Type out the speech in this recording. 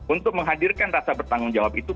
untuk menghadirkan rasa bertanggung jawab itu